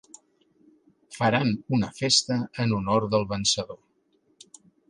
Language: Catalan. Faran una festa en honor del vencedor.